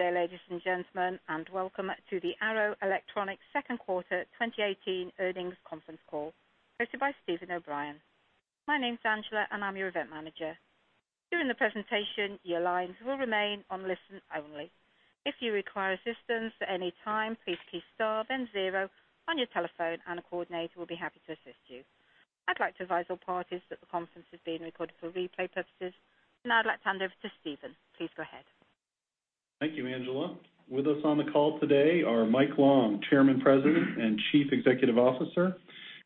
Hello, ladies and gentlemen, and welcome to the Arrow Electronics Q2 2018 Earnings Conference Call, hosted by Steve O'Brien. My name's Angela, and I'm your event manager. During the presentation, your lines will remain on listen only. If you require assistance at any time, please press star then zero on your telephone, and a coordinator will be happy to assist you. I'd like to advise all parties that the conference is being recorded for replay purposes, and I'd like to hand over to Steven. Please go ahead. Thank you, Angela. With us on the call today are Mike Long, Chairman-President and Chief Executive Officer;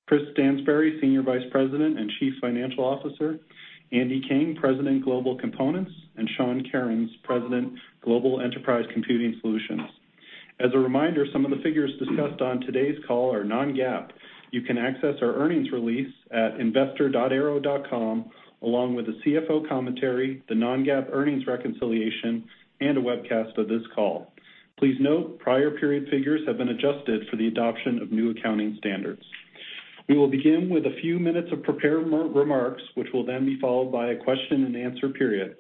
Chris Stansbury, Senior Vice President and Chief Financial Officer; Andy King, President Global Components; and Sean Kerins, President Global Enterprise Computing Solutions. As a reminder, some of the figures discussed on today's call are non-GAAP. You can access our earnings release at investor.arrow.com, along with the CFO commentary, the non-GAAP earnings reconciliation, and a webcast of this call. Please note prior period figures have been adjusted for the adoption of new accounting standards. We will begin with a few minutes of prepared remarks, which will then be followed by a Q&A period.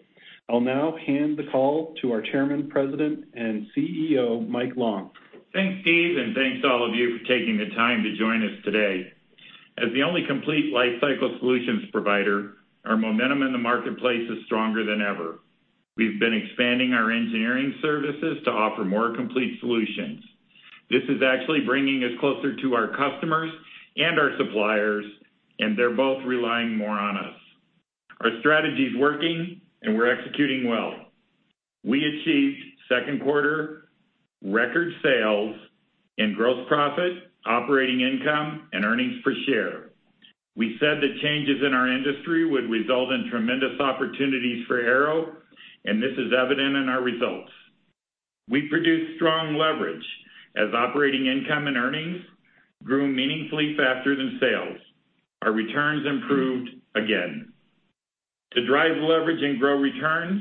I'll now hand the call to our Chairman, President, and CEO, Mike Long. Thanks, Steve, and thanks to all of you for taking the time to join us today. As the only complete life cycle solutions provider, our momentum in the marketplace is stronger than ever. We've been expanding our engineering services to offer more complete solutions. This is actually bringing us closer to our customers and our suppliers, and they're both relying more on us. Our strategy is working, and we're executing well. We achieved Q2 record sales and gross profit, operating income, and earnings per share. We said that changes in our industry would result in tremendous opportunities for Arrow, and this is evident in our results. We produced strong leverage as operating income and earnings grew meaningfully faster than sales. Our returns improved again. To drive leverage and grow returns,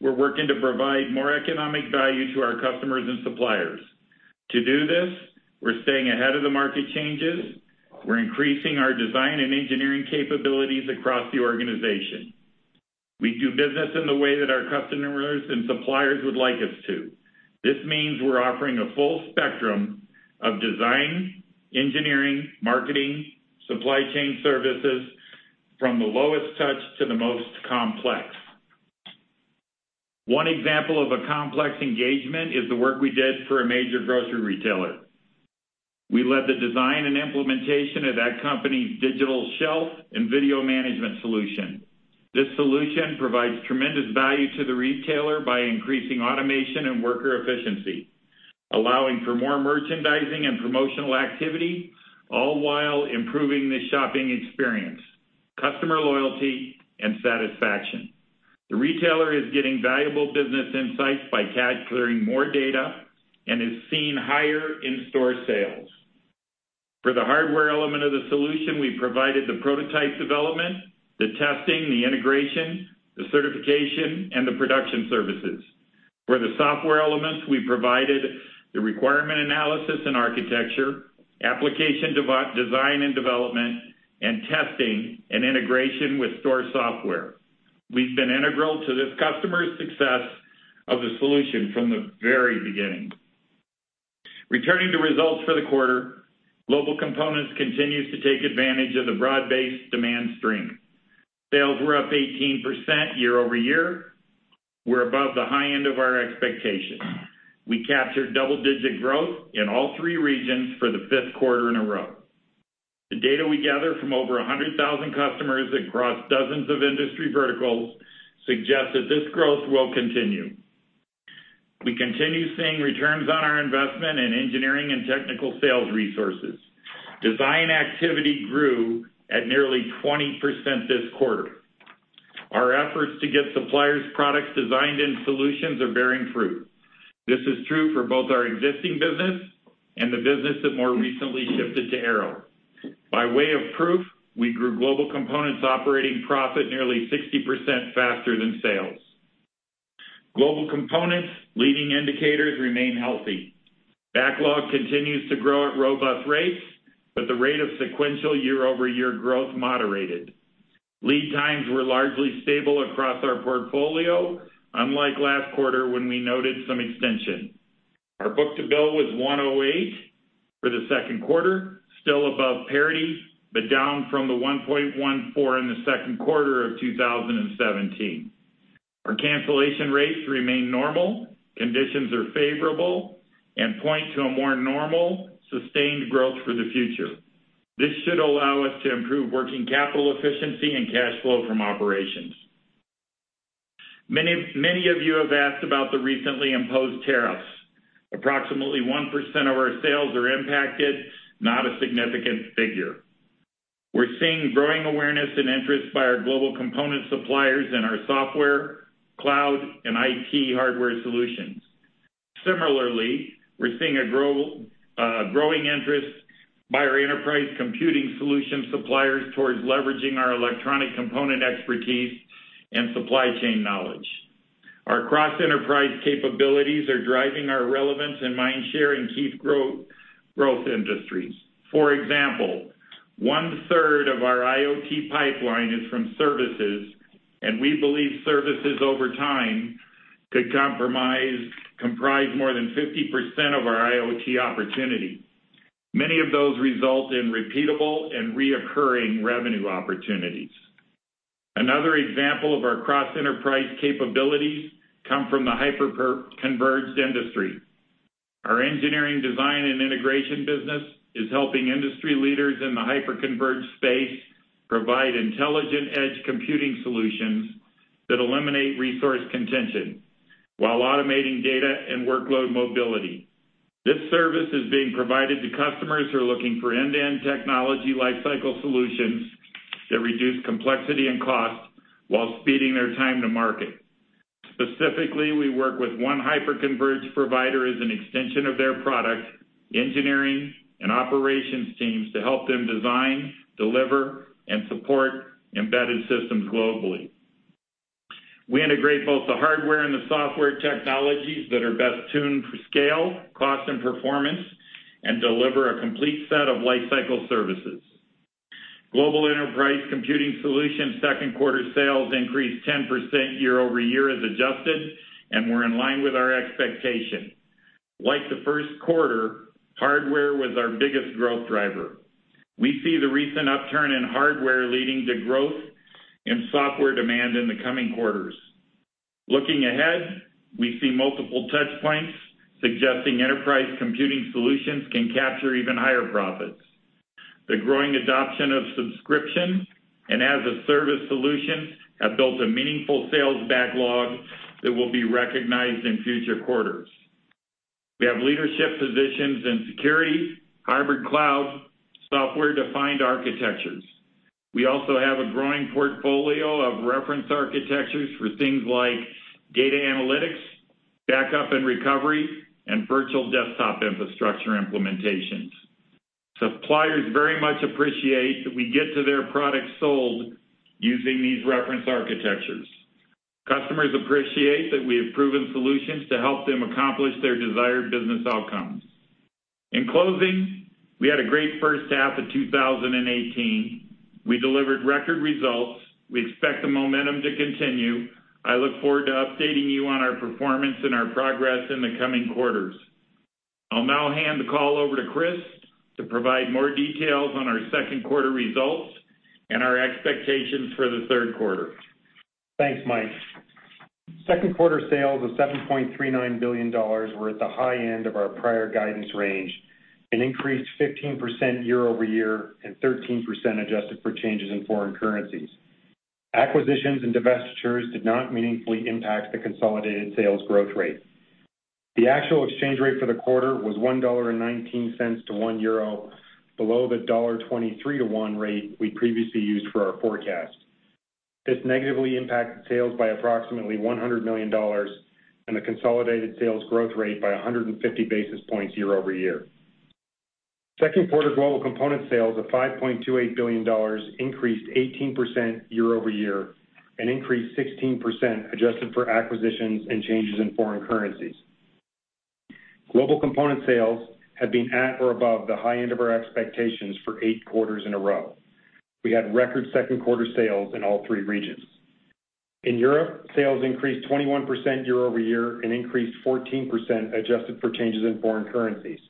we're working to provide more economic value to our customers and suppliers. To do this, we're staying ahead of the market changes. We're increasing our design and engineering capabilities across the organization. We do business in the way that our customers and suppliers would like us to. This means we're offering a full spectrum of design, engineering, marketing, and supply chain services from the lowest touch to the most complex. One example of a complex engagement is the work we did for a major grocery retailer. We led the design and implementation of that company's Digital Shelf and video management solution. This solution provides tremendous value to the retailer by increasing automation and worker efficiency, allowing for more merchandising and promotional activity, all while improving the shopping experience, customer loyalty, and satisfaction. The retailer is getting valuable business insights by capturing more data and is seeing higher in-store sales. For the hardware element of the solution, we provided the prototype development, the testing, the integration, the certification, and the production services. For the software elements, we provided the requirement analysis and architecture, application design and development, and testing and integration with store software. We've been integral to this customer's success of the solution from the very beginning. Returning to results for the quarter, Global Components continues to take advantage of the broad-based demand stream. Sales were up 18% year-over-year. We're above the high end of our expectations. We captured double-digit growth in all three regions for the fifth quarter in a row. The data we gather from over 100,000 customers across dozens of industry verticals suggests that this growth will continue. We continue seeing returns on our investment in engineering and technical sales resources. Design activity grew at nearly 20% this quarter. Our efforts to get suppliers' products designed in solutions are bearing fruit. This is true for both our existing business and the business that more recently shifted to Arrow. By way of proof, we grew Global Components' operating profit nearly 60% faster than sales. Global Components' leading indicators remain healthy. Backlog continues to grow at robust rates, but the rate of sequential year-over-year growth is moderated. Lead times were largely stable across our portfolio, unlike last quarter when we noted some extension. Our book-to-bill was 1.08 for the Q2, still above parity but down from the 1.14 in the Q2 of 2017. Our cancellation rates remain normal, conditions are favorable, and point to a more normal, sustained growth for the future. This should allow us to improve working capital efficiency and cash flow from operations. Many of you have asked about the recently imposed tariffs. Approximately 1% of our sales are impacted, not a significant figure. We're seeing growing awareness and interest by our Global Components suppliers in our software, cloud, and IT hardware solutions. Similarly, we're seeing a growing interest by our enterprise computing solution suppliers towards leveraging our electronic component expertise and supply chain knowledge. Our cross-enterprise capabilities are driving our relevance and mind share in key growth industries. For example, one-third of our IoT pipeline is from services, and we believe services over time could comprise more than 50% of our IoT opportunity. Many of those result in repeatable and recurring revenue opportunities. Another example of our cross-enterprise capabilities comes from the hyper-converged industry. Our engineering design and integration business is helping industry leaders in the hyper-converged space provide intelligent edge computing solutions that eliminate resource contention while automating data and workload mobility. This service is being provided to customers who are looking for end-to-end technology life cycle solutions that reduce complexity and cost while speeding their time to market. Specifically, we work with one hyper-converged provider as an extension of their product, engineering, and operations teams to help them design, deliver, and support embedded systems globally. We integrate both the hardware and the software technologies that are best tuned for scale, cost, and performance, and deliver a complete set of life cycle services. Global Enterprise Computing Solutions' Q2 sales increased 10% year-over-year as adjusted, and we're in line with our expectation. Like the Q1, hardware was our biggest growth driver. We see the recent upturn in hardware leading to growth in software demand in the coming quarters. Looking ahead, we see multiple touchpoints suggesting enterprise computing solutions can capture even higher profits. The growing adoption of subscription and as-a-service solutions have built a meaningful sales backlog that will be recognized in future quarters. We have leadership positions in security, hybrid cloud, software-defined architectures. We also have a growing portfolio of reference architectures for things like data analytics, backup and recovery, and virtual desktop infrastructure implementations. Suppliers very much appreciate that we get to their products sold using these reference architectures. Customers appreciate that we have proven solutions to help them accomplish their desired business outcomes. In closing, we had a great H1 of 2018. We delivered record results. We expect the momentum to continue. I look forward to updating you on our performance and our progress in the coming quarters. I'll now hand the call over to Chris to provide more details on our Q2 results and our expectations for the Q3. Thanks, Mike. Q2 sales of $7.39 billion were at the high end of our prior guidance range and increased 15% year-over-year and 13% adjusted for changes in foreign currencies. Acquisitions and divestitures did not meaningfully impact the consolidated sales growth rate. The actual exchange rate for the quarter was $1.19 to 1 euro below the $1.23 to 1 rate we previously used for our forecast. This negatively impacted sales by approximately $100 million and the consolidated sales growth rate by 150 basis points year-over-year. Q2 Global Components sales of $5.28 billion increased 18% year-over-year and increased 16% adjusted for acquisitions and changes in foreign currencies. Global Components sales have been at or above the high end of our expectations for eight quarters in a row. We had record Q2 sales in all three regions. In Europe, sales increased 21% year-over-year and increased 14% adjusted for changes in foreign currencies.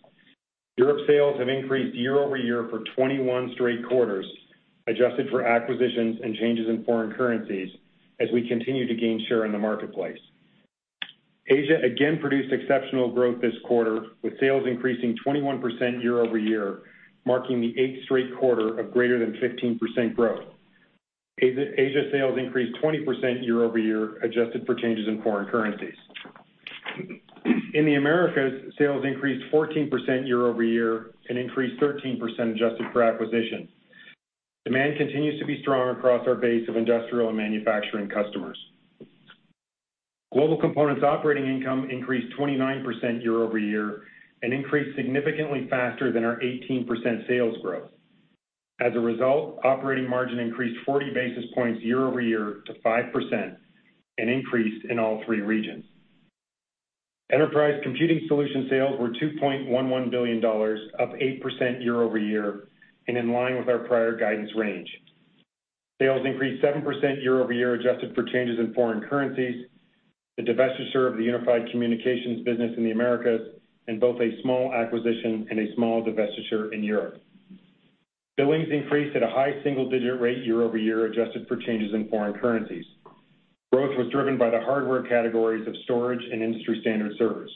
Europe sales have increased year-over-year for 21 straight quarters adjusted for acquisitions and changes in foreign currencies as we continue to gain share in the marketplace. Asia again produced exceptional growth this quarter with sales increasing 21% year-over-year, marking the eighth straight quarter of greater than 15% growth. Asia sales increased 20% year-over-year adjusted for changes in foreign currencies. In the Americas, sales increased 14% year-over-year and increased 13% adjusted for acquisition. Demand continues to be strong across our base of industrial and manufacturing customers. Global Components operating income increased 29% year-over-year and increased significantly faster than our 18% sales growth. As a result, operating margin increased 40 basis points year-over-year to 5% and increased in all three regions. Enterprise Computing Solutions sales were $2.11 billion, up 8% year-over-year and in line with our prior guidance range. Sales increased 7% year-over-year adjusted for changes in foreign currencies, the divestiture of the unified communications business in the Americas, and both a small acquisition and a small divestiture in Europe. Billings increased at a high single-digit rate year-over-year adjusted for changes in foreign currencies. Growth was driven by the hardware categories of storage and industry standard servers.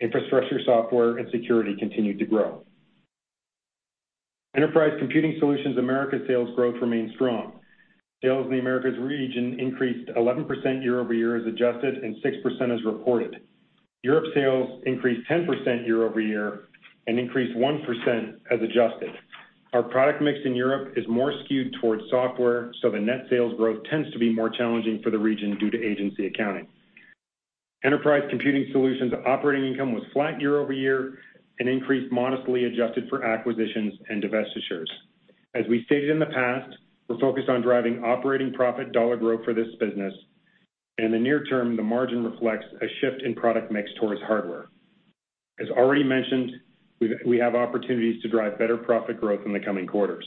Infrastructure, software, and security continued to grow. Enterprise Computing Solutions Americas sales growth remained strong. Sales in the Americas region increased 11% year-over-year as adjusted and 6% as reported. Europe sales increased 10% year-over-year and increased 1% as adjusted. Our product mix in Europe is more skewed towards software, so the net sales growth tends to be more challenging for the region due to agency accounting. Enterprise Computing Solutions operating income was flat year-over-year and increased modestly adjusted for acquisitions and divestitures. As we stated in the past, we're focused on driving operating profit dollar growth for this business, and in the near term, the margin reflects a shift in product mix towards hardware. As already mentioned, we have opportunities to drive better profit growth in the coming quarters.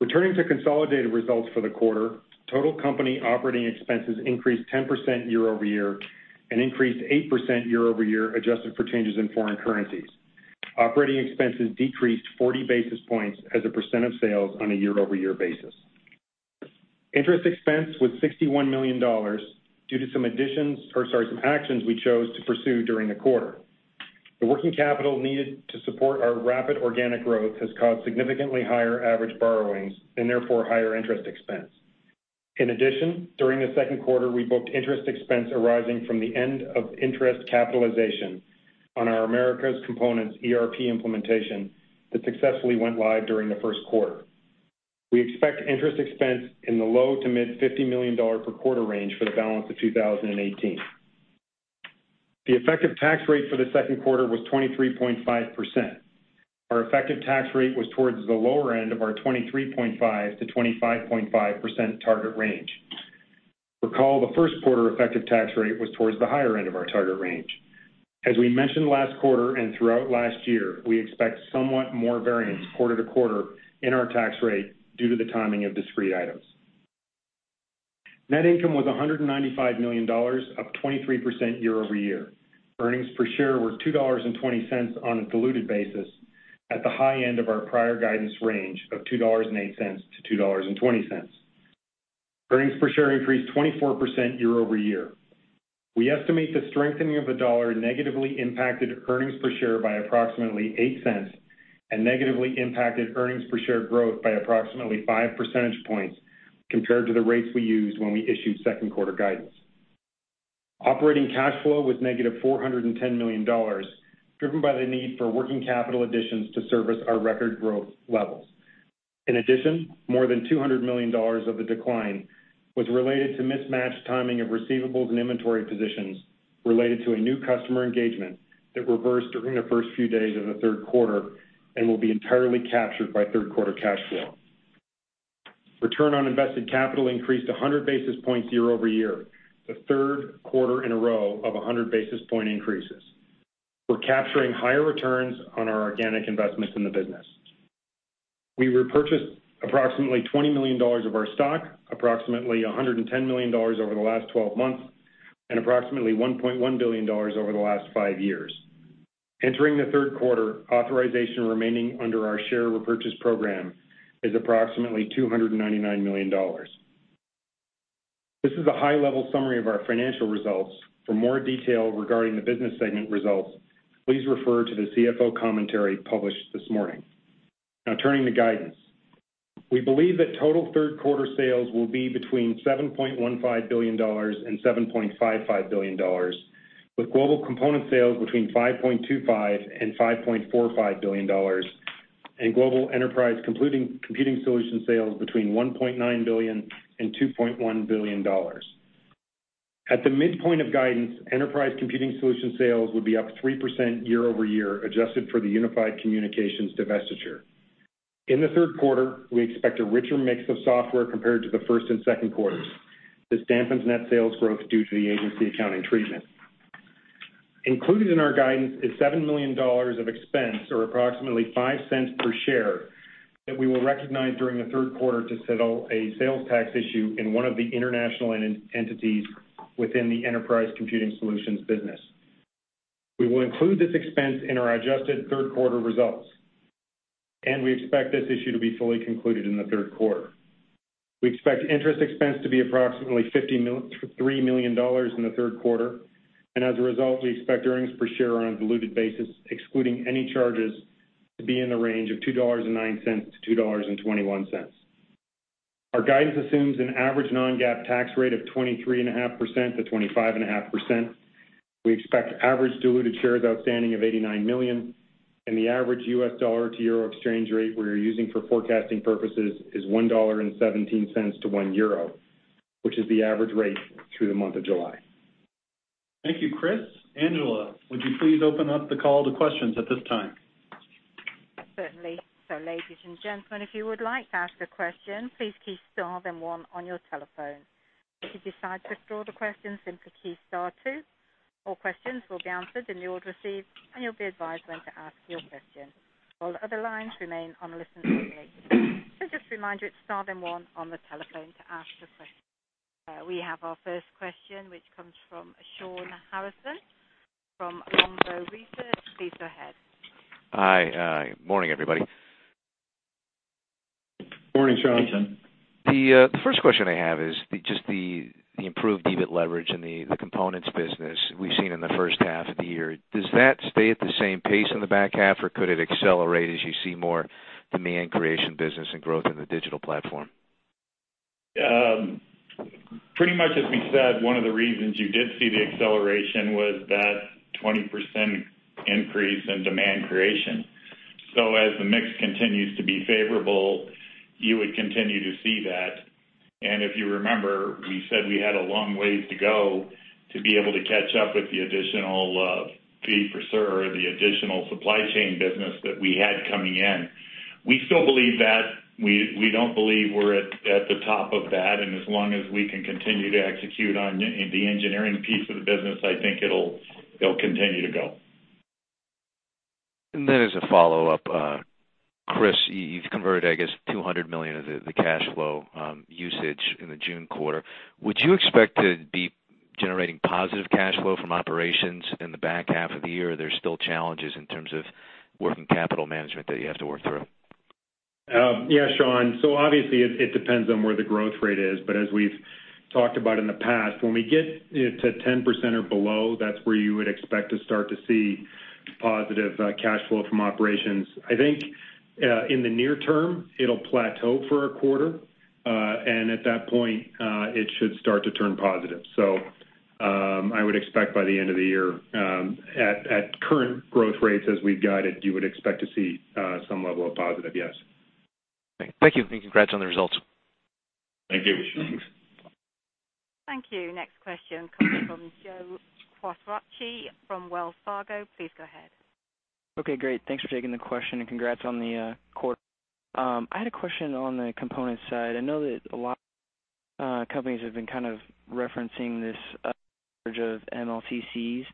Returning to consolidated results for the quarter, total company operating expenses increased 10% year-over-year and increased 8% year-over-year adjusted for changes in foreign currencies. Operating expenses decreased 40 basis points as a percent of sales on a year-over-year basis. Interest expense was $61 million due to some actions we chose to pursue during the quarter. The working capital needed to support our rapid organic growth has caused significantly higher average borrowings and therefore higher interest expense. In addition, during the Q2, we booked interest expense arising from the end of interest capitalization on our Americas Components ERP implementation that successfully went live during the Q1. We expect interest expense in the low to mid-$50 million per quarter range for the balance of 2018. The effective tax rate for the Q2 was 23.5%. Our effective tax rate was towards the lower end of our 23.5%-25.5% target range. Recall the Q1 effective tax rate was towards the higher end of our target range. As we mentioned last quarter and throughout last year, we expect somewhat more variance quarter to quarter in our tax rate due to the timing of discrete items. Net income was $195 million, up 23% year-over-year. Earnings per share were $2.20 on a diluted basis at the high end of our prior guidance range of $2.08-$2.20. Earnings per share increased 24% year-over-year. We estimate the strengthening of the dollar negatively impacted earnings per share by approximately $0.08 and negatively impacted earnings per share growth by approximately 5 percentage points compared to the rates we used when we issued Q2 guidance. Operating cash flow was negative $410 million, driven by the need for working capital additions to service our record growth levels. In addition, more than $200 million of the decline was related to mismatched timing of receivables and inventory positions related to a new customer engagement that reversed during the first few days of the Q3 and will be entirely captured by Q3 cash flow. Return on invested capital increased 100 basis points year-over-year, the Q3 in a row of 100 basis point increases. We're capturing higher returns on our organic investments in the business. We repurchased approximately $20 million of our stock, approximately $110 million over the last 12 months, and approximately $1.1 billion over the last five years. Entering the Q3, authorization remaining under our share repurchase program is approximately $299 million. This is a high-level summary of our financial results. For more detail regarding the business segment results, please refer to the CFO commentary published this morning. Now, turning to guidance. We believe that total Q3 sales will be between $7.15 billion and $7.55 billion, with Global Components sales between $5.25 and $5.45 billion, and Global Enterprise Computing Solutions sales between $1.9 billion and $2.1 billion. At the midpoint of guidance, Enterprise Computing Solutions sales would be up 3% year-over-year adjusted for the unified communications divestiture. In the Q3, we expect a richer mix of software compared to the first and Q2s. This dampens net sales growth due to the agency accounting treatment. Included in our guidance is $7 million of expense, or approximately $0.05 per share, that we will recognize during the Q3 to settle a sales tax issue in one of the international entities within the enterprise computing solutions business. We will include this expense in our adjusted Q3 results, and we expect this issue to be fully concluded in the Q3. We expect interest expense to be approximately $3 million in the Q3, and as a result, we expect earnings per share on a diluted basis, excluding any charges, to be in the range of $2.09-$2.21. Our guidance assumes an average non-GAAP tax rate of 23.5%-25.5%. We expect average diluted shares outstanding of 89 million, and the average U.S. dollar-to-euro exchange rate we are using for forecasting purposes is $1.17 to 1 euro, which is the average rate through the month of July. Thank you, Chris. Angela, would you please open up the call to questions at this time? Certainly. So, ladies and gentlemen, if you would like to ask a question, please key star then one on your telephone. If you decide to withdraw the question, simply key star two. All questions will be answered and you will receive. And you'll be advised when to ask your question. All other lines remain on listen only. So just a reminder, it's star then one on the telephone to ask a question. We have our first question, which comes from Sean Harrison from Longbow Research. Please go ahead. Hi. Morning, everybody. Morning, Sean. The first question I have is just the improved debt leverage in the components business we've seen in the H1 of the year. Does that stay at the same pace in the back half, or could it accelerate as you see more demand creation business and growth in the digital platform? Pretty much as we said, one of the reasons you did see the acceleration was that 20% increase in demand creation. So as the mix continues to be favorable, you would continue to see that. And if you remember, we said we had a long ways to go to be able to catch up with the additional fee for sure, the additional supply chain business that we had coming in. We still believe that. We don't believe we're at the top of that. And as long as we can continue to execute on the engineering piece of the business, I think it'll continue to go. And then as a follow-up, Chris, you've converted, I guess, $200 million of the cash flow usage in the June quarter. Would you expect to be generating positive cash flow from operations in the back half of the year, or are there still challenges in terms of working capital management that you have to work through? Sean. So obviously, it depends on where the growth rate is. But as we've talked about in the past, when we get to 10% or below, that's where you would expect to start to see positive cash flow from operations. I think in the near term, it'll plateau for a quarter. And at that point, it should start to turn positive. So I would expect by the end of the year, at current growth rates as we've guided, you would expect to see some level of positive, yes. Thank you. Congrats on the results. Thank you. Thanks. Thank you. Next question comes from Joe Quatrochi from Wells Fargo. Please go ahead. Okay. Great. Thanks for taking the question and congrats on the quarter. I had a question on the components side. I know that a lot of companies have been kind of referencing this shortage of MLCCs.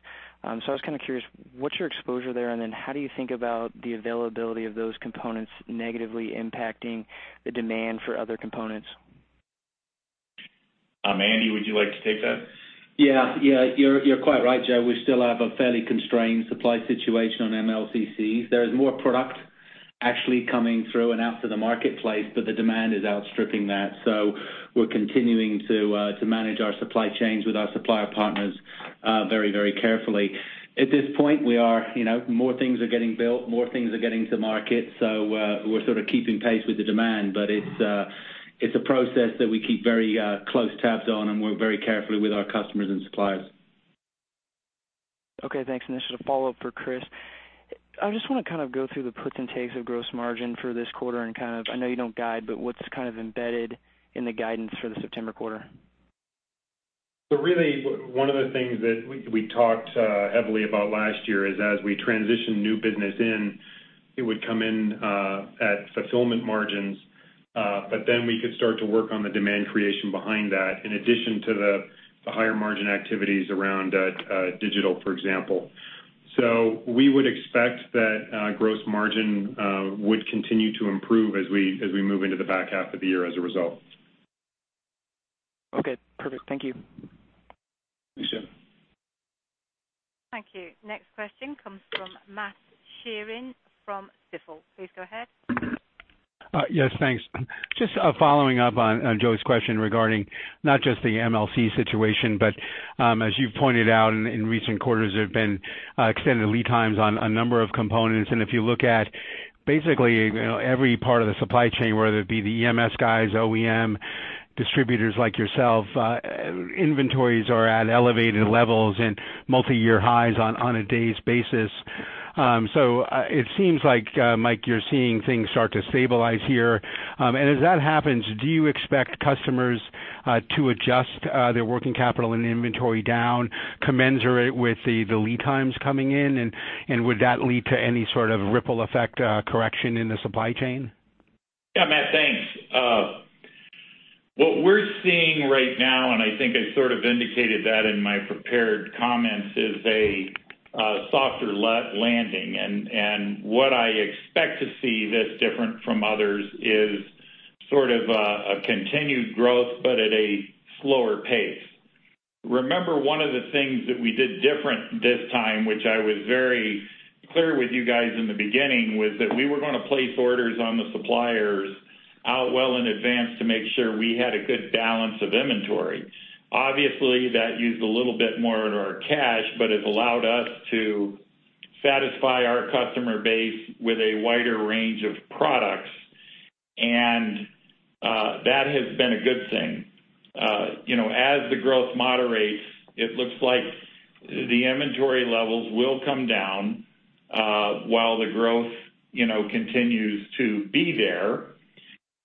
So I was kind of curious, what's your exposure there? And then how do you think about the availability of those components negatively impacting the demand for other components? Andy, would you like to take that? You're quite right, Joe. We still have a fairly constrained supply situation on MLCCs. There is more product actually coming through and out to the marketplace, but the demand is outstripping that. So we're continuing to manage our supply chains with our supplier partners very, very carefully. At this point, we are more things are getting built, more things are getting to market. So we're sort of keeping pace with the demand. But it's a process that we keep very close tabs on, and we're very careful with our customers and suppliers. Okay. Thanks. And this is a follow-up for Chris. I just want to kind of go through the percentage of gross margin for this quarter and kind of I know you don't guide, but what's kind of embedded in the guidance for the September quarter? So really, one of the things that we talked heavily about last year is as we transition new business in, it would come in at fulfillment margins. But then we could start to work on the demand creation behind that in addition to the higher margin activities around digital, for example. So we would expect that gross margin would continue to improve as we move into the back half of the year as a result. Okay. Perfect. Thank you. You too. Thank you. Next question comes from Matt Sheerin from Stifel. Please go ahead. Yes. Thanks. Just following up on Joe's question regarding not just the MLC situation, but as you've pointed out, in recent quarters, there have been extended lead times on a number of components. And if you look at basically every part of the supply chain, whether it be the EMS guys, OEM, distributors like yourself, inventories are at elevated levels and multi-year highs on a day's basis. So it seems like, Mike, you're seeing things start to stabilize here. And as that happens, do you expect customers to adjust their working capital and inventory down, commensurate with the lead times coming in? And would that lead to any sort of ripple effect correction in the supply chain? Matt. Thanks. What we're seeing right now, and I think I sort of indicated that in my prepared comments, is a softer landing. What I expect to see that's different from others is sort of a continued growth, but at a slower pace. Remember, one of the things that we did different this time, which I was very clear with you guys in the beginning, was that we were going to place orders on the suppliers out well in advance to make sure we had a good balance of inventory. Obviously, that used a little bit more of our cash, but it allowed us to satisfy our customer base with a wider range of products. That has been a good thing. As the growth moderates, it looks like the inventory levels will come down while the growth continues to be there,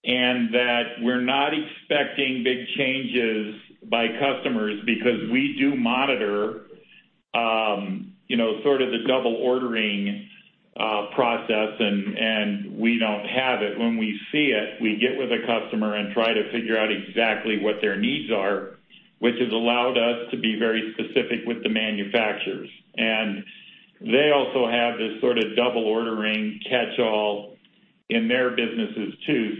and that we're not expecting big changes by customers because we do monitor sort of the double ordering process, and we don't have it. When we see it, we get with a customer and try to figure out exactly what their needs are, which has allowed us to be very specific with the manufacturers. They also have this sort of double ordering catch-all in their businesses too.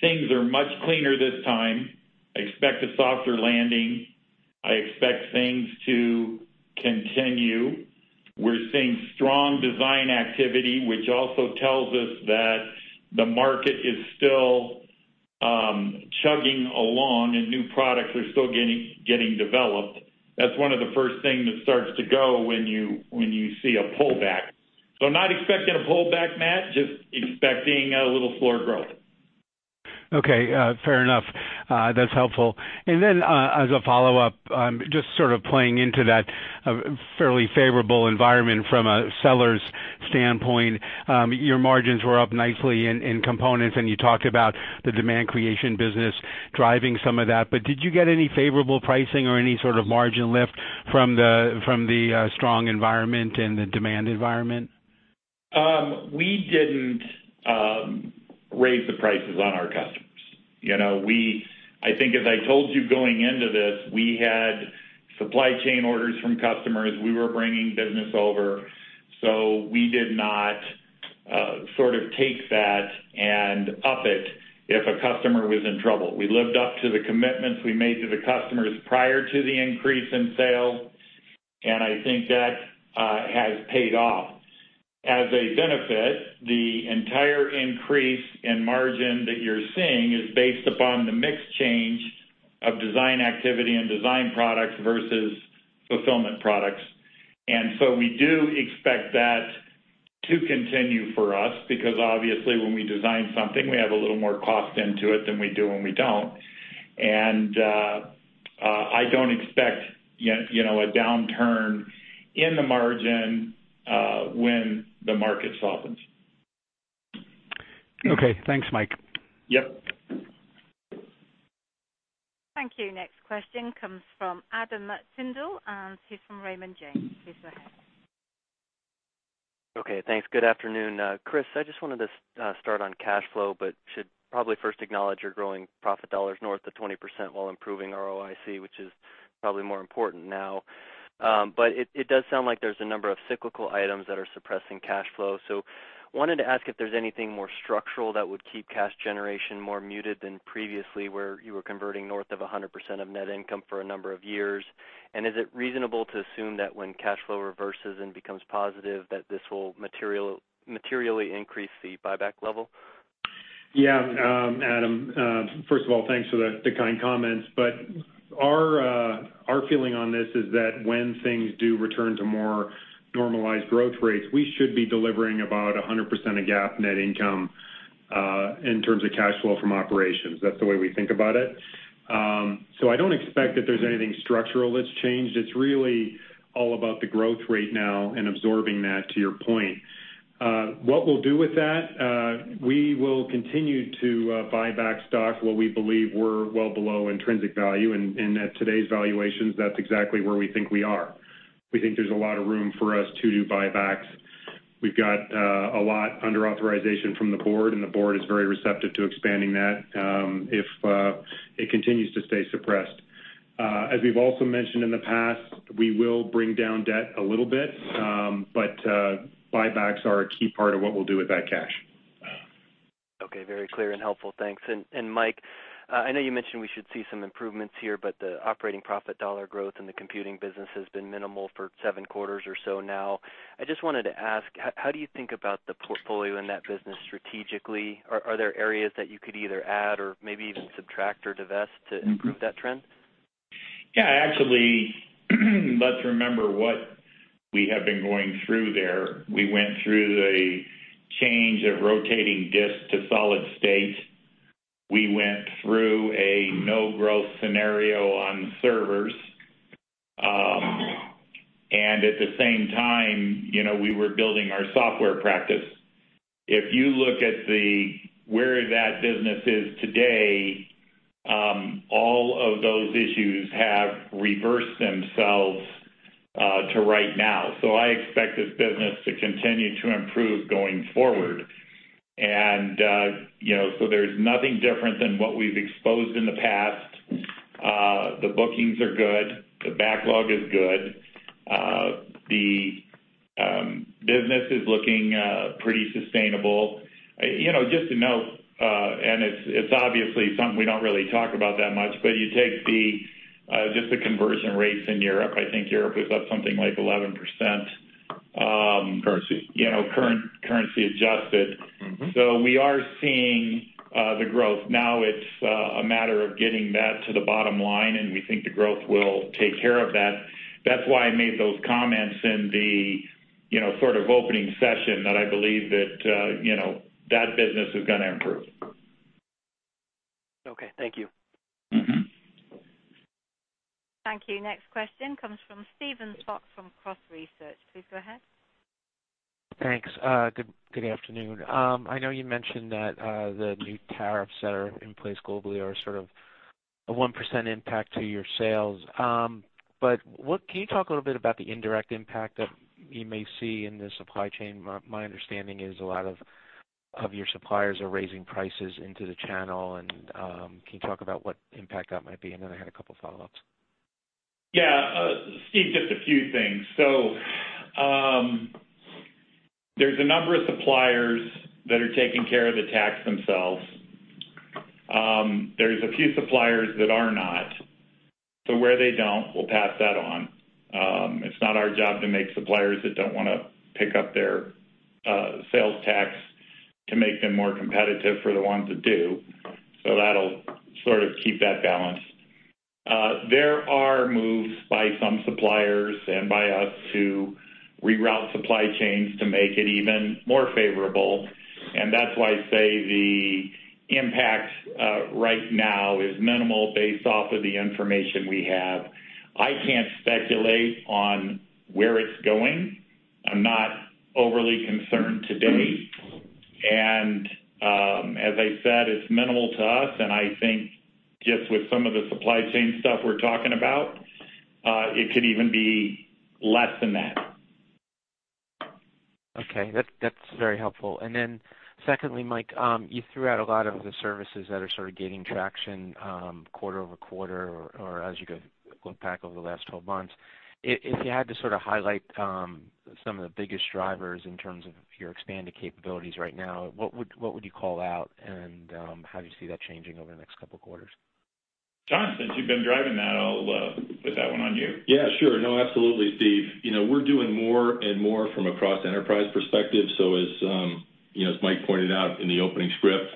Things are much cleaner this time. I expect a softer landing. I expect things to continue. We're seeing strong design activity, which also tells us that the market is still chugging along and new products are still getting developed. That's one of the first things that starts to go when you see a pullback. So not expecting a pullback, Matt, just expecting a little slower growth. Okay. Fair enough. That's helpful. And then as a follow-up, just sort of playing into that fairly favorable environment from a seller's standpoint, your margins were up nicely in components, and you talked about the demand creation business driving some of that. But did you get any favorable pricing or any sort of margin lift from the strong environment and the demand environment? We didn't raise the prices on our customers. I think as I told you going into this, we had supply chain orders from customers. We were bringing business over. So we did not sort of take that and up it if a customer was in trouble. We lived up to the commitments we made to the customers prior to the increase in sales, and I think that has paid off. As a benefit, the entire increase in margin that you're seeing is based upon the mix change of design activity and design products versus fulfillment products. And so we do expect that to continue for us because obviously when we design something, we have a little more cost into it than we do when we don't. And I don't expect a downturn in the margin when the market softens. Okay. Thanks, Mike. Yep. Thank you. Next question comes from Adam Tindle, and he's from Raymond James. Please go ahead. Okay. Thanks. Good afternoon. Chris, I just wanted to start on cash flow, but should probably first acknowledge your growing profit dollars north of 20% while improving ROIC, which is probably more important now. It does sound like there's a number of cyclical items that are suppressing cash flow. Wanted to ask if there's anything more structural that would keep cash generation more muted than previously where you were converting north of 100% of net income for a number of years. Is it reasonable to assume that when cash flow reverses and becomes positive, that this will materially increase the buyback level? Adam. First of all, thanks for the kind comments. But our feeling on this is that when things do return to more normalized growth rates, we should be delivering about 100% of GAAP net income in terms of cash flow from operations. That's the way we think about it. So I don't expect that there's anything structural that's changed. It's really all about the growth rate now and absorbing that, to your point. What we'll do with that, we will continue to buy back stock while we believe we're well below intrinsic value. And at today's valuations, that's exactly where we think we are. We think there's a lot of room for us to do buybacks. We've got a lot under authorization from the board, and the board is very receptive to expanding that if it continues to stay suppressed. As we've also mentioned in the past, we will bring down debt a little bit, but buybacks are a key part of what we'll do with that cash. Okay. Very clear and helpful. Thanks. Mike, I know you mentioned we should see some improvements here, but the operating profit dollar growth in the computing business has been minimal for seven quarters or so now. I just wanted to ask, how do you think about the portfolio and that business strategically? Are there areas that you could either add or maybe even subtract or divest to improve that trend? Actually, let's remember what we have been going through there. We went through the change of rotating disk to solid state. We went through a no-growth scenario on servers. And at the same time, we were building our software practice. If you look at where that business is today, all of those issues have reversed themselves to right now. So I expect this business to continue to improve going forward. And so there's nothing different than what we've exposed in the past. The bookings are good. The backlog is good. The business is looking pretty sustainable. Just to note, and it's obviously something we don't really talk about that much, but you take just the conversion rates in Europe. I think Europe is up something like 11%. Currency. Currency adjusted. So we are seeing the growth. Now it's a matter of getting that to the bottom line, and we think the growth will take care of that. That's why I made those comments in the sort of opening session that I believe that that business is going to improve. Okay. Thank you. Thank you. Next question comes from Steven Fox from Cross Research. Please go ahead. Thanks. Good afternoon. I know you mentioned that the new tariffs that are in place globally are sort of a 1% impact to your sales. But can you talk a little bit about the indirect impact that you may see in the supply chain? My understanding is a lot of your suppliers are raising prices into the channel. And can you talk about what impact that might be? And then I had a couple of follow-ups. Steve, just a few things. So there's a number of suppliers that are taking care of the tax themselves. There's a few suppliers that are not. So where they don't, we'll pass that on. It's not our job to make suppliers that don't want to pick up their sales tax to make them more competitive for the ones that do. So that'll sort of keep that balance. There are moves by some suppliers and by us to reroute supply chains to make it even more favorable. And that's why I say the impact right now is minimal based off of the information we have. I can't speculate on where it's going. I'm not overly concerned today. And as I said, it's minimal to us. And I think just with some of the supply chain stuff we're talking about, it could even be less than that. Okay. That's very helpful. And then secondly, Mike, you threw out a lot of the services that are sort of gaining traction quarter-over-quarter or as you go back over the last 12 months. If you had to sort of highlight some of the biggest drivers in terms of your expanded capabilities right now, what would you call out and how do you see that changing over the next couple of quarters? John, since you've been driving that, I'll put that one on you. Sure. No, absolutely, Steve. We're doing more and more from a cross-enterprise perspective. So as Mike pointed out in the opening script,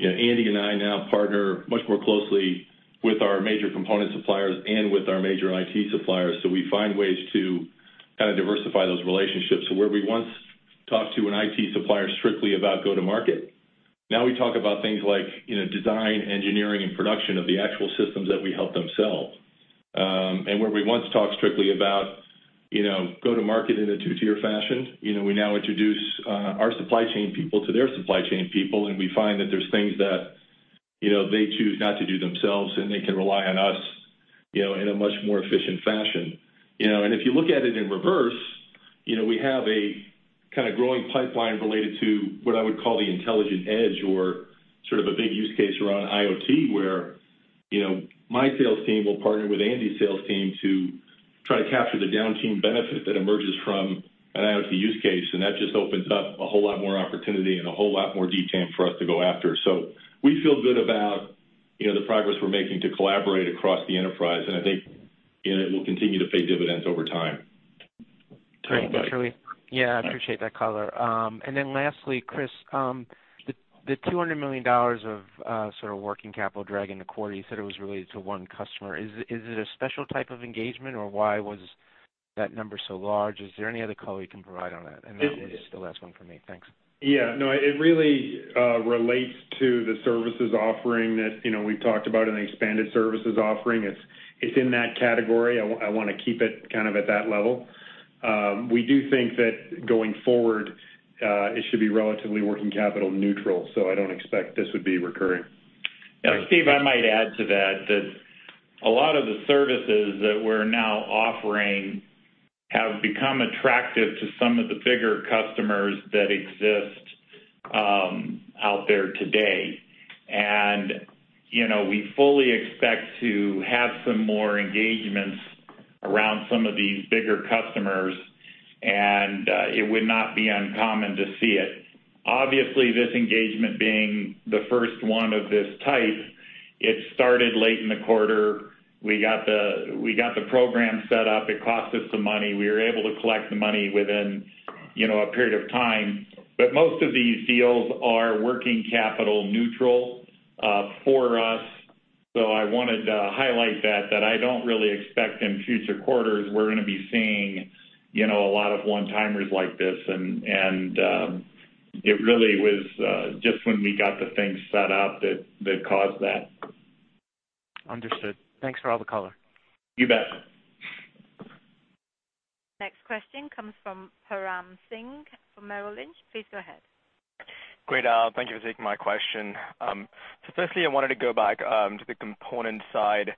Andy and I now partner much more closely with our major component suppliers and with our major IT suppliers. So we find ways to kind of diversify those relationships. So where we once talked to an IT supplier strictly about go-to-market, now we talk about things like design, engineering, and production of the actual systems that we help them sell. And where we once talked strictly about go-to-market in a two-tier fashion, we now introduce our supply chain people to their supply chain people, and we find that there's things that they choose not to do themselves, and they can rely on us in a much more efficient fashion. And if you look at it in reverse, we have a kind of growing pipeline related to what I would call the Intelligent Edge or sort of a big use case around IoT, where my sales team will partner with Andy's sales team to try to capture the downstream benefit that emerges from an IoT use case. And that just opens up a whole lot more opportunity and a whole lot more detail for us to go after. So we feel good about the progress we're making to collaborate across the enterprise, and I think it will continue to pay dividends over time. Thank you, Kerins. I appreciate that, color. And then lastly, Chris, the $200 million of sort of working capital dragging the quarter, you said it was related to one customer. Is it a special type of engagement, or why was that number so large? Is there any other color you can provide on that? And that was the last one for me. Thanks. No, it really relates to the services offering that we've talked about and the expanded services offering. It's in that category. I want to keep it kind of at that level. We do think that going forward, it should be relatively working capital neutral. So I don't expect this would be recurring. Steve, I might add to that that a lot of the services that we're now offering have become attractive to some of the bigger customers that exist out there today. We fully expect to have some more engagements around some of these bigger customers, and it would not be uncommon to see it. Obviously, this engagement being the first one of this type, it started late in the quarter. We got the program set up. It cost us some money. We were able to collect the money within a period of time. But most of these deals are working capital neutral for us. So I wanted to highlight that, that I don't really expect in future quarters we're going to be seeing a lot of one-timers like this. It really was just when we got the things set up that caused that. Understood. Thanks for all the color. You bet. Next question comes from Param Singh from Merrill Lynch. Please go ahead. Great. Thank you for taking my question. So firstly, I wanted to go back to the component side.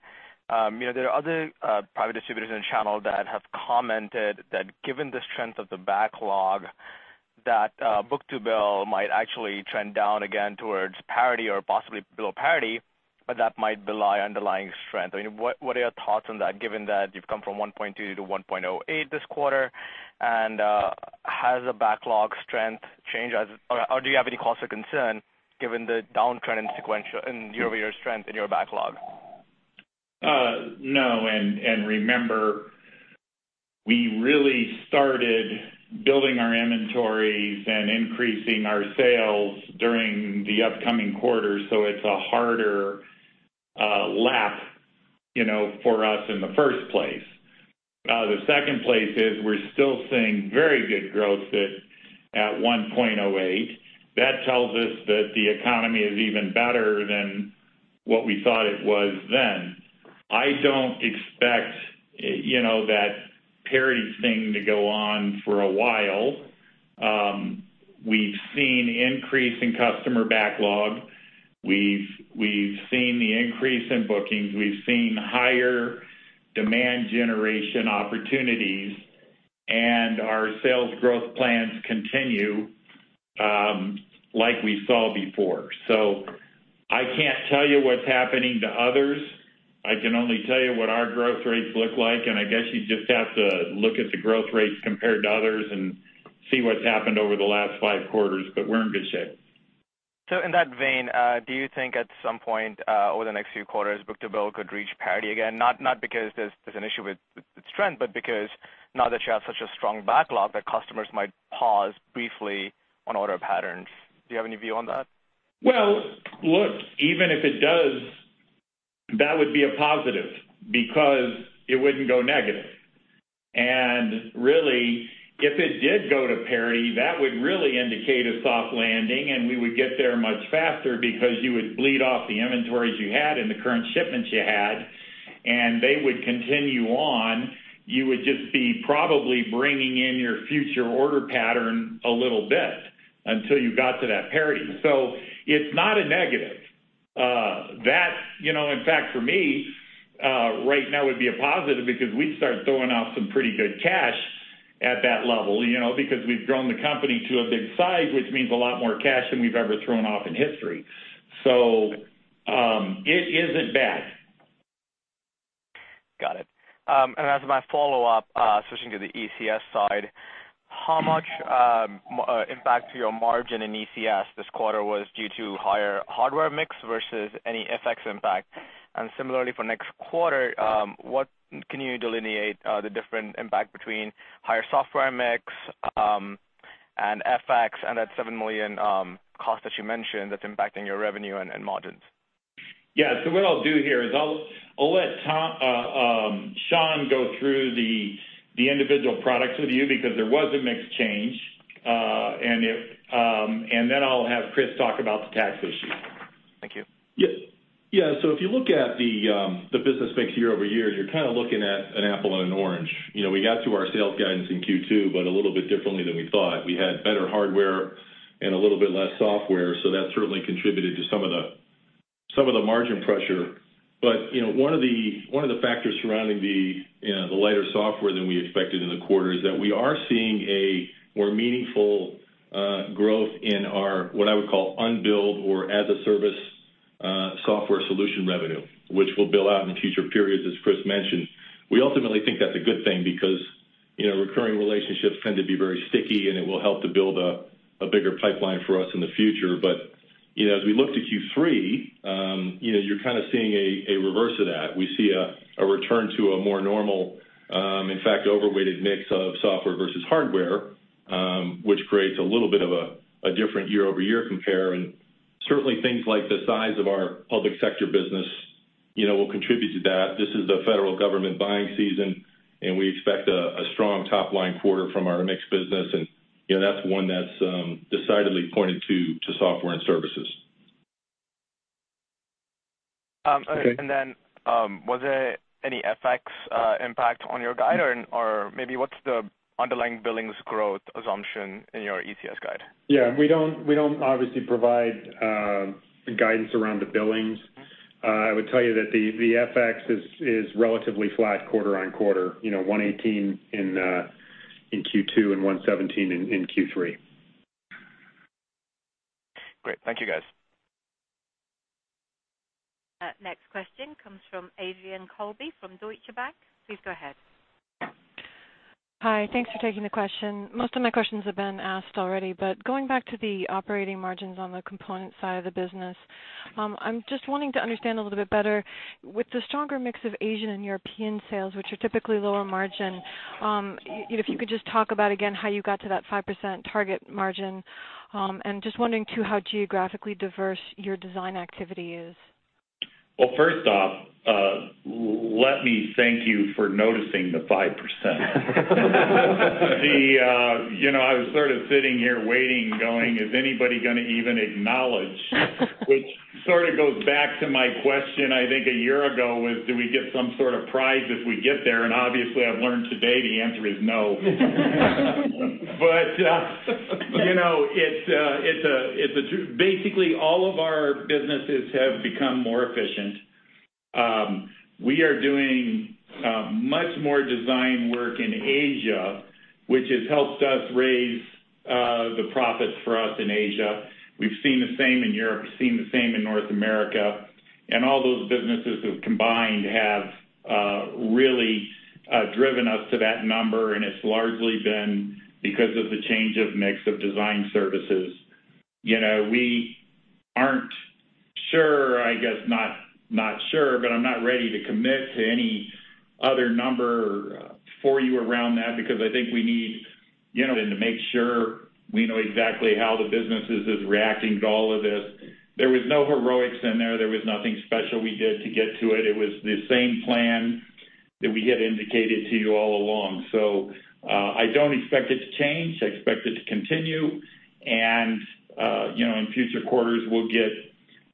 There are other private distributors in the channel that have commented that given the strength of the backlog, that book-to-bill might actually trend down again towards parity or possibly below parity, but that might rely on underlying strength. I mean, what are your thoughts on that given that you've come from 1.2 to 1.08 this quarter? And has the backlog strength changed, or do you have any cause for concern given the downtrend in year-over-year strength in your backlog? No. And remember, we really started building our inventories and increasing our sales during the upcoming quarter. So it's a harder lap for us in the first place. The second place is we're still seeing very good growth at 1.08. That tells us that the economy is even better than what we thought it was then. I don't expect that parity thing to go on for a while. We've seen increase in customer backlog. We've seen the increase in bookings. We've seen higher demand generation opportunities, and our sales growth plans continue like we saw before. So I can't tell you what's happening to others. I can only tell you what our growth rates look like. And I guess you just have to look at the growth rates compared to others and see what's happened over the last five quarters. But we're in good shape. So in that vein, do you think at some point over the next few quarters, book-to-bill could reach parity again? Not because there's an issue with the strength, but because now that you have such a strong backlog, that customers might pause briefly on order patterns. Do you have any view on that? Well, look, even if it does, that would be a positive because it wouldn't go negative. Really, if it did go to parity, that would really indicate a soft landing, and we would get there much faster because you would bleed off the inventories you had and the current shipments you had, and they would continue on. You would just be probably bringing in your future order pattern a little bit until you got to that parity. So it's not a negative. That, in fact, for me, right now would be a positive because we'd start throwing off some pretty good cash at that level because we've grown the company to a big size, which means a lot more cash than we've ever thrown off in history. So it isn't bad. Got it. And as my follow-up, switching to the ECS side, how much impact to your margin in ECS this quarter was due to higher hardware mix versus any FX impact? And similarly, for next quarter, can you delineate the different impact between higher software mix and FX and that $7 million cost that you mentioned that's impacting your revenue and margins? So what I'll do here is I'll let Sean go through the individual products with you because there was a mixed change. And then I'll have Chris talk about the tax issue. Thank you. So if you look at the business mix year-over-year, you're kind of looking at an apple and an orange. We got through our sales guidance in Q2, but a little bit differently than we thought. We had better hardware and a little bit less software. So that certainly contributed to some of the margin pressure. But one of the factors surrounding the lighter software than we expected in the quarter is that we are seeing a more meaningful growth in our what I would call unbilled or as-a-service software solution revenue, which will bill out in future periods, as Chris mentioned. We ultimately think that's a good thing because recurring relationships tend to be very sticky, and it will help to build a bigger pipeline for us in the future. But as we look to Q3, you're kind of seeing a reverse of that. We see a return to a more normal, in fact, overweighted mix of software versus hardware, which creates a little bit of a different year-over-year compare. And certainly, things like the size of our public sector business will contribute to that. This is the federal government buying season, and we expect a strong top-line quarter from our mixed business. And that's one that's decidedly pointed to software and services. And then, was there any FX impact on your guide, or maybe what's the underlying billings growth assumption in your ECS guide? We don't obviously provide guidance around the billings. I would tell you that the FX is relatively flat quarter-over-quarter, 118 in Q2 and 117 in Q3. Great. Thank you, guys. Next question comes from Adrian Colby from Deutsche Bank. Please go ahead. Hi. Thanks for taking the question. Most of my questions have been asked already. But going back to the operating margins on the component side of the business, I'm just wanting to understand a little bit better. With the stronger mix of Asian and European sales, which are typically lower margin, if you could just talk about, again, how you got to that 5% target margin? And just wondering, too, how geographically diverse your design activity is? Well, first off, let me thank you for noticing the 5%. I was sort of sitting here waiting, going, "Is anybody going to even acknowledge?" Which sort of goes back to my question, I think, a year ago was, "Do we get some sort of prize if we get there?" And obviously, I've learned today the answer is no. But it's basically all of our businesses have become more efficient. We are doing much more design work in Asia, which has helped us raise the profits for us in Asia. We've seen the same in Europe. We've seen the same in North America. And all those businesses combined have really driven us to that number. And it's largely been because of the change of mix of design services. We aren't sure, I guess, not sure, but I'm not ready to commit to any other number for you around that because I think we need to make sure we know exactly how the businesses are reacting to all of this. There were no heroics in there. There was nothing special we did to get to it. It was the same plan that we had indicated to you all along. So I don't expect it to change. I expect it to continue. In future quarters, we'll get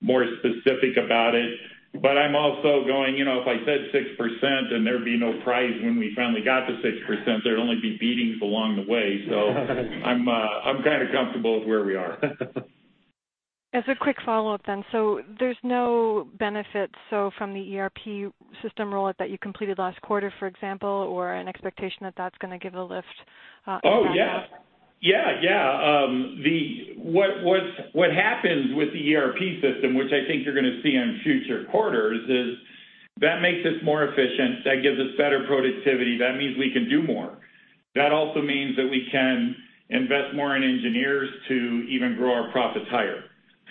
more specific about it. But I'm also going, "If I said 6% and there'd be no prize when we finally got to 6%, there'd only be beatings along the way." So I'm kind of comfortable with where we are. As a quick follow-up then, so there's no benefit from the ERP system roll-out that you completed last quarter, for example, or an expectation that that's going to give a lift? What happens with the ERP system, which I think you're going to see in future quarters, is that makes us more efficient. That gives us better productivity. That means we can do more. That also means that we can invest more in engineers to even grow our profits higher.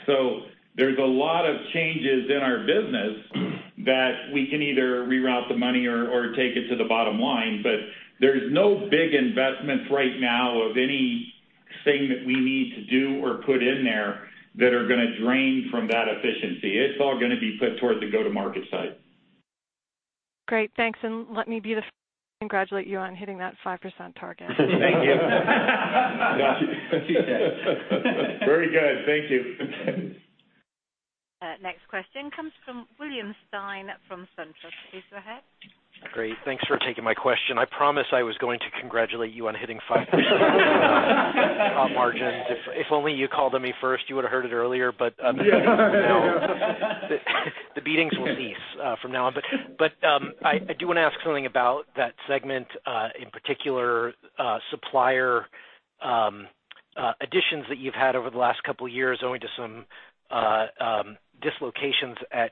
So there's a lot of changes in our business that we can either reroute the money or take it to the bottom line. But there's no big investments right now of anything that we need to do or put in there that are going to drain from that efficiency. It's all going to be put towards the go-to-market side. Great. Thanks. And let me be the first to congratulate you on hitting that 5% target. Thank you. Got you. Very good. Thank you. Next question comes from William Stein from SunTrust. Please go ahead. Great. Thanks for taking my question. I promised I was going to congratulate you on hitting 5% margins. If only you called on me first, you would have heard it earlier. But the beatings will cease from now on. But I do want to ask something about that segment in particular, supplier additions that you've had over the last couple of years owing to some dislocations at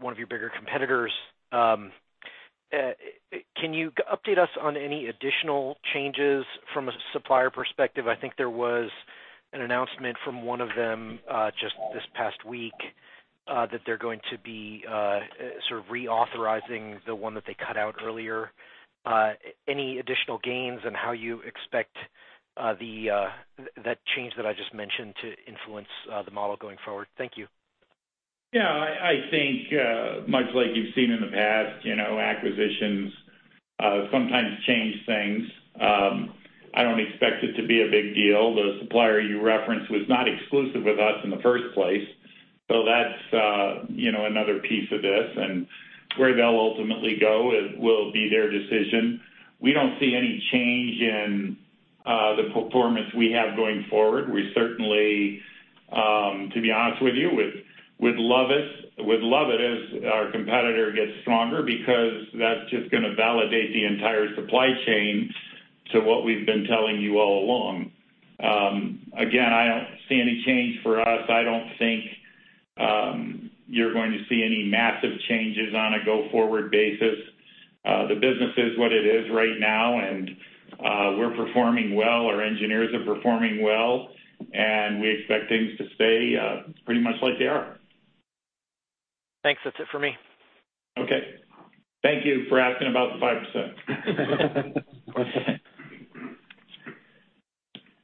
one of your bigger competitors. Can you update us on any additional changes from a supplier perspective? I think there was an announcement from one of them just this past week that they're going to be sort of reauthorizing the one that they cut out earlier. Any additional gains and how you expect that change that I just mentioned to influence the model going forward? Thank you. I think, much like you've seen in the past, acquisitions sometimes change things. I don't expect it to be a big deal. The supplier you referenced was not exclusive with us in the first place. So that's another piece of this. And where they'll ultimately go will be their decision. We don't see any change in the performance we have going forward. We certainly, to be honest with you, would love it as our competitor gets stronger because that's just going to validate the entire supply chain to what we've been telling you all along. Again, I don't see any change for us. I don't think you're going to see any massive changes on a go-forward basis. The business is what it is right now, and we're performing well. Our engineers are performing well. And we expect things to stay pretty much like they are. Thanks. That's it for me. Okay. Thank you for asking about the 5%.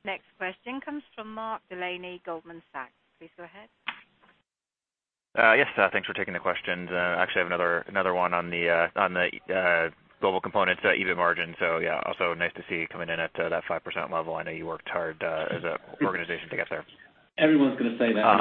Next question comes from Mark Delaney, Goldman Sachs. Please go ahead. Yes, thanks for taking the question. Actually, I have another one on the Global Components EBIT margin. Also nice to see you coming in at that 5% level. I know you worked hard as an organization to get there. Everyone's going to say that.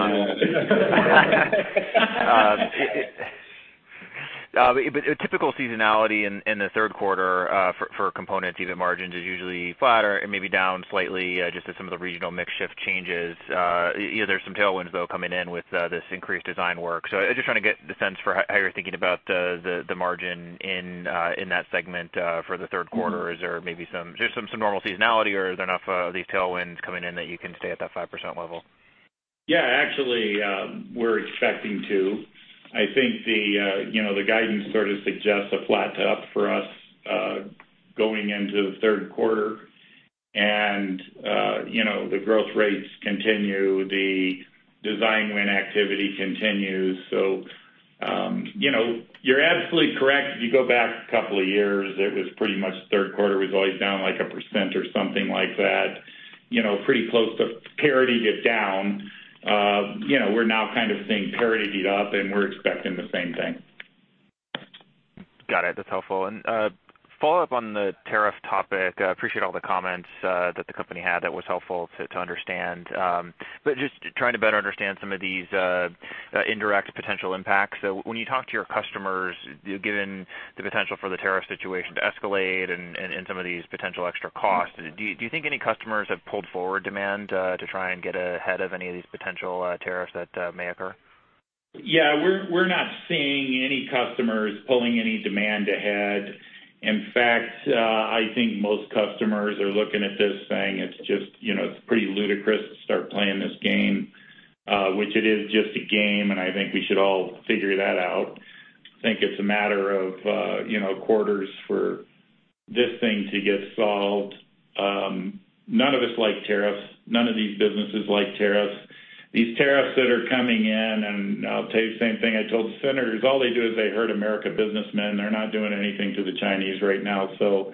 But typical seasonality in the Q3 for components, EBIT margins is usually flat or maybe down slightly just at some of the regional mix shift changes. There's some tailwinds, though, coming in with this increased design work. So I'm just trying to get the sense for how you're thinking about the margin in that segment for the Q3. Is there maybe some normal seasonality, or is there enough of these tailwinds coming in that you can stay at that 5% level? Actually, we're expecting to. I think the guidance sort of suggests a flat top for us going into the Q3. And the growth rates continue. The design win activity continues. So you're absolutely correct. If you go back a couple of years, it was pretty much Q3 was always down like 1% or something like that, pretty close to parity, it'd down. We're now kind of seeing parity, beat up, and we're expecting the same thing. Got it. That's helpful. And follow-up on the tariff topic. I appreciate all the comments that the company had that was helpful to understand. But just trying to better understand some of these indirect potential impacts. So when you talk to your customers, given the potential for the tariff situation to escalate and some of these potential extra costs, do you think any customers have pulled forward demand to try and get ahead of any of these potential tariffs that may occur? We're not seeing any customers pulling any demand ahead. In fact, I think most customers are looking at this thing. It's just pretty ludicrous to start playing this game, which it is just a game, and I think we should all figure that out. I think it's a matter of quarters for this thing to get solved. None of us like tariffs. None of these businesses like tariffs. These tariffs that are coming in, and I'll tell you the same thing I told the senators, all they do is they hurt American businessmen. They're not doing anything to the Chinese right now. So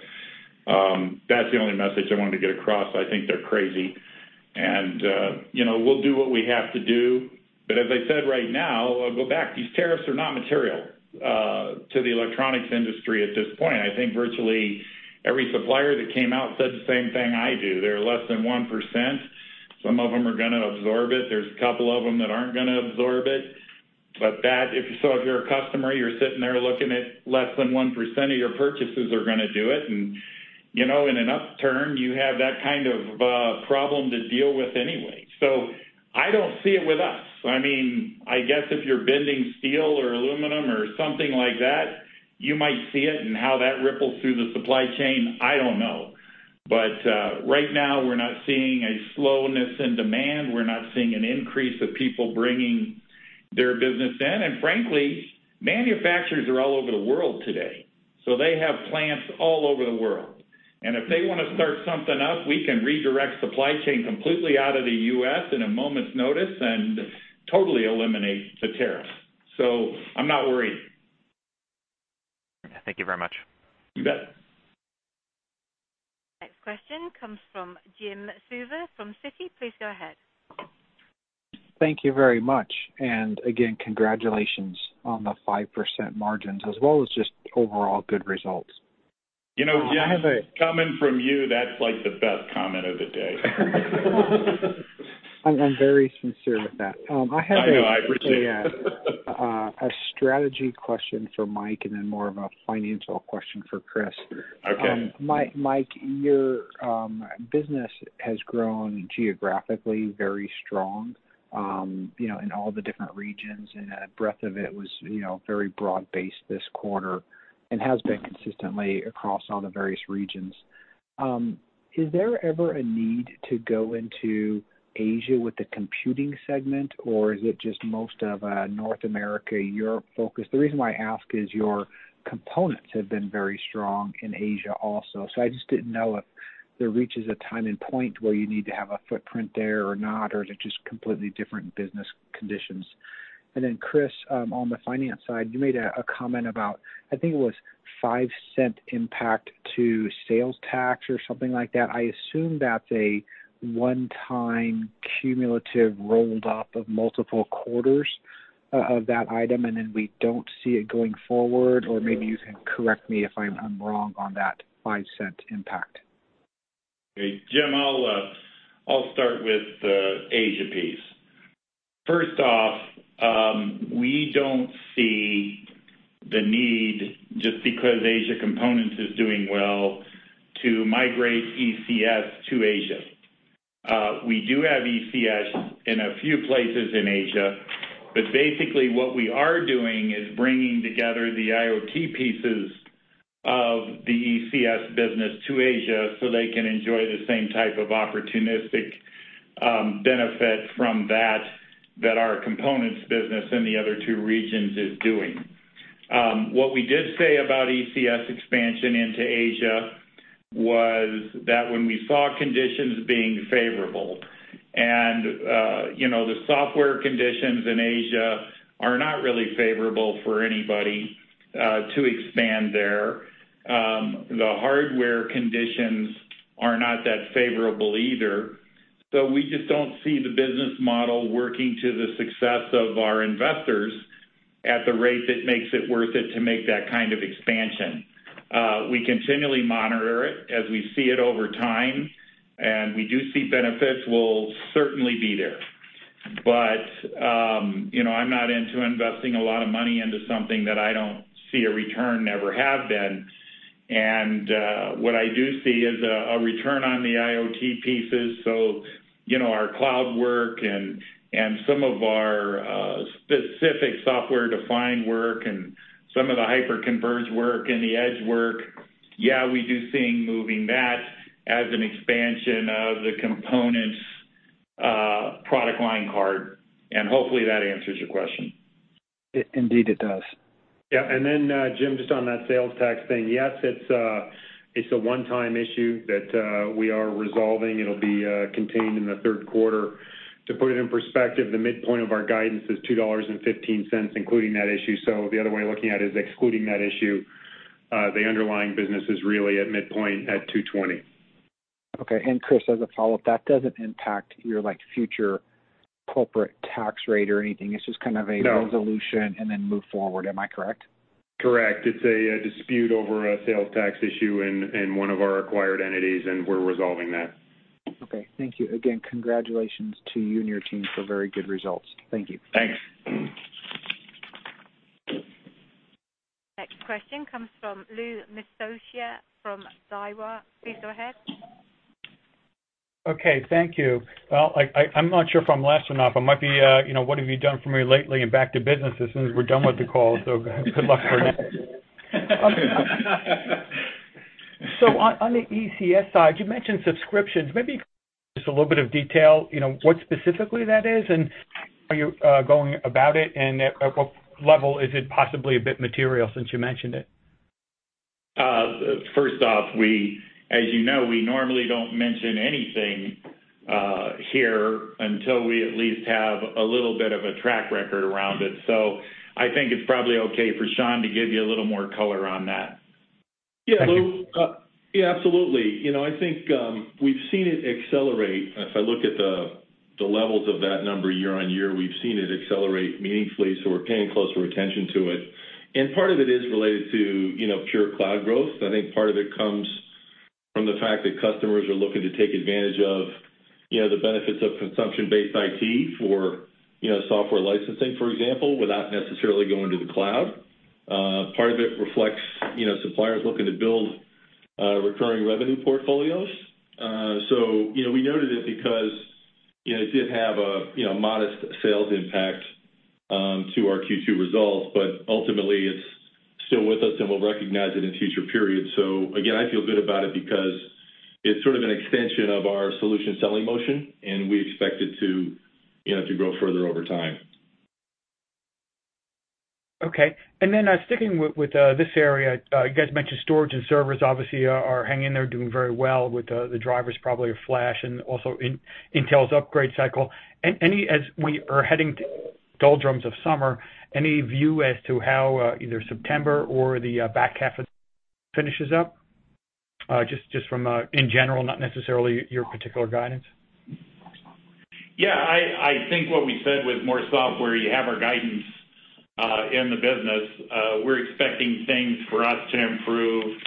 that's the only message I wanted to get across. I think they're crazy. And we'll do what we have to do. But as I said right now, I'll go back. These tariffs are not material to the electronics industry at this point. I think virtually every supplier that came out said the same thing I do. They're less than 1%. Some of them are going to absorb it. There's a couple of them that aren't going to absorb it. But so if you're a customer, you're sitting there looking at less than 1% of your purchases are going to do it. And in an upturn, you have that kind of problem to deal with anyway. So I don't see it with us. I mean, I guess if you're bending steel or aluminum or something like that, you might see it. And how that ripples through the supply chain, I don't know. But right now, we're not seeing a slowness in demand. We're not seeing an increase of people bringing their business in. And frankly, manufacturers are all over the world today. So they have plants all over the world. If they want to start something up, we can redirect supply chain completely out of the U.S. in a moment's notice and totally eliminate the tariff. I'm not worried. Thank you very much. You bet. Next question comes from Jim Suva from Citi. Please go ahead. Thank you very much. And again, congratulations on the 5% margins as well as just overall good results. You know, Jim, coming from you, that's like the best comment of the day. I'm very sincere with that. I have a. I know. I appreciate it. A strategy question for Mike and then more of a financial question for Chris. Okay. Mike, your business has grown geographically very strong in all the different regions. A breadth of it was very broad-based this quarter and has been consistently across all the various regions. Is there ever a need to go into Asia with the computing segment, or is it just most of a North America, Europe focus? The reason why I ask is your components have been very strong in Asia also. So I just didn't know if there reaches a time and point where you need to have a footprint there or not, or is it just completely different business conditions? And then Chris, on the finance side, you made a comment about, I think it was $0.05 impact to sales tax or something like that. I assume that's a one-time cumulative rolled up of multiple quarters of that item, and then we don't see it going forward. Maybe you can correct me if I'm wrong on that $0.05 impact. Okay. Jim, I'll start with the Asia piece. First off, we don't see the need, just because Asia components is doing well, to migrate ECS to Asia. We do have ECS in a few places in Asia. But basically, what we are doing is bringing together the IoT pieces of the ECS business to Asia so they can enjoy the same type of opportunistic benefit from that that our components business in the other two regions is doing. What we did say about ECS expansion into Asia was that when we saw conditions being favorable, and the software conditions in Asia are not really favorable for anybody to expand there, the hardware conditions are not that favorable either. So we just don't see the business model working to the success of our investors at the rate that makes it worth it to make that kind of expansion. We continually monitor it as we see it over time. And we do see benefits. We'll certainly be there. But I'm not into investing a lot of money into something that I don't see a return on, never have been. And what I do see is a return on the IoT pieces. So our cloud work and some of our specific software-defined work and some of the hyper-converged work and the edge work, we do see moving that as an expansion of the components product line card. And hopefully, that answers your question. Indeed, it does. Jim, just on that sales tax thing, yes, it's a one-time issue that we are resolving. It'll be contained in the Q3. To put it in perspective, the midpoint of our guidance is $2.15, including that issue. The other way of looking at it is excluding that issue. The underlying business is really at midpoint at $2.20. Okay. And Chris, as a follow-up, that doesn't impact your future corporate tax rate or anything. It's just kind of a resolution and then move forward. Am I correct? Correct. It's a dispute over a sales tax issue in one of our acquired entities, and we're resolving that. Okay. Thank you. Again, congratulations to you and your team for very good results. Thank you. Thanks. Next question comes from Louis Miscioscia from Daiwa Capital Markets. Please go ahead. Okay. Thank you. I'm not sure if I'm last or not. But might be, what have you done for me lately and back to business? This is we're done with the call, so good luck for now. So on the ECS side, you mentioned subscriptions. Maybe just a little bit of detail, what specifically that is and how you're going about it, and at what level is it possibly a bit material since you mentioned it? First off, as you know, we normally don't mention anything here until we at least have a little bit of a track record around it. So I think it's probably okay for Sean to give you a little more color on that. Lou, absolutely. I think we've seen it accelerate. If I look at the levels of that number year-on-year, we've seen it accelerate meaningfully. So we're paying closer attention to it. And part of it is related to pure cloud growth. I think part of it comes from the fact that customers are looking to take advantage of the benefits of consumption-based IT for software licensing, for example, without necessarily going to the cloud. Part of it reflects suppliers looking to build recurring revenue portfolios. So we noted it because it did have a modest sales impact to our Q2 results. But ultimately, it's still with us, and we'll recognize it in future periods. So again, I feel good about it because it's sort of an extension of our solution selling motion, and we expect it to grow further over time. Okay. And then sticking with this area, you guys mentioned storage and servers obviously are hanging in there doing very well with the drivers probably of flash and also Intel's upgrade cycle. As we are heading to doldrums of summer, any view as to how either September or the back half of the year finishes up? Just from in general, not necessarily your particular guidance. I think what we said with more software, you have our guidance in the business. We're expecting things for us to improve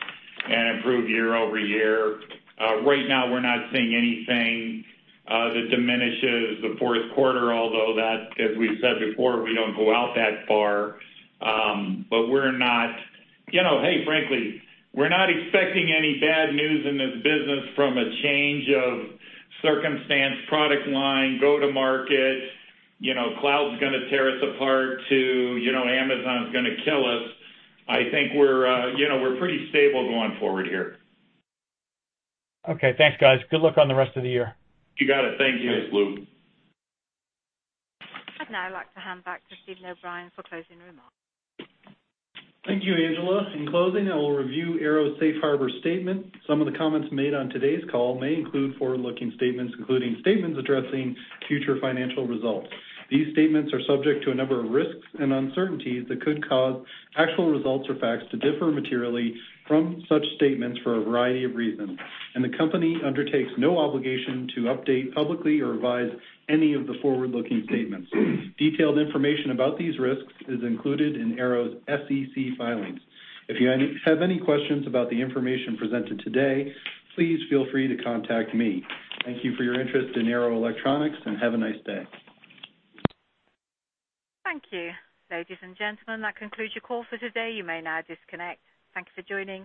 and improve year-over-year. Right now, we're not seeing anything that diminishes the Q4, although that, as we've said before, we don't go out that far. But we're not, hey, frankly, we're not expecting any bad news in this business from a change of circumstance, product line, go-to-market. Cloud's going to tear us apart. Too, Amazon's going to kill us. I think we're pretty stable going forward here. Okay. Thanks, guys. Good luck on the rest of the year. You got it. Thank you, Lou. And I'd like to hand back to Steven O'Brien for closing remarks. Thank you, Angela. In closing, I will review Arrow's safe harbor statement. Some of the comments made on today's call may include forward-looking statements, including statements addressing future financial results. These statements are subject to a number of risks and uncertainties that could cause actual results or facts to differ materially from such statements for a variety of reasons. The company undertakes no obligation to update publicly or revise any of the forward-looking statements. Detailed information about these risks is included in Arrow's SEC filings. If you have any questions about the information presented today, please feel free to contact me. Thank you for your interest in Arrow Electronics, and have a nice day. Thank you. Ladies and gentlemen, that concludes your call for today. You may now disconnect. Thank you for joining.